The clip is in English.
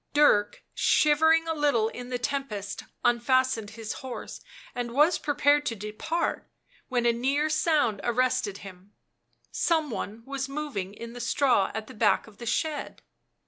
Dirk, shivering a little in the tempest, unfastened his horse, and was preparing to depart, when a near sound arrested him. Some one was moving in the straw at the back of the shed.